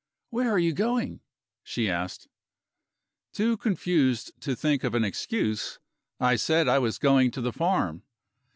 "Where are you going?" she asked. Too confused to think of an excuse, I said I was going to the farm.